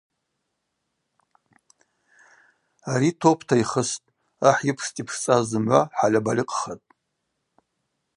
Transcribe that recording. Ари топта йхыстӏ, ахӏ йыпшцӏа Йпшцӏаз зымгӏва хӏальабальыкъхатӏ.